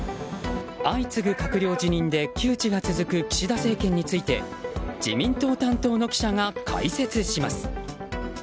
相次ぐ閣僚辞任で窮地が続く岸田政権について自民党担当の記者が解説します。